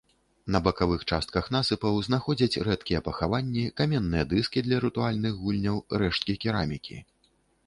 На бакавых частках насыпаў знаходзяць рэдкія пахаванні, каменныя дыскі для рытуальных гульняў, рэшткі керамікі.